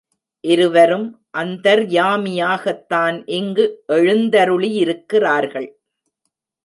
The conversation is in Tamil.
இருவரும் அந்தர்யாமியாகத்தான் இங்கு எழுந்தருளியிருக்கிறார்கள்.